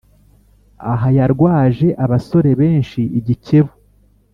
aha yarwaje abasore benshi igikebu.